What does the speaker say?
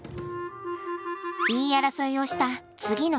言い争いをした次の日。